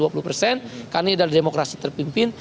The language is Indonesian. karena ini adalah demokrasi terpimpin